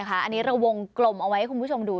อันนี้เราวงกลมเอาไว้ให้คุณผู้ชมดู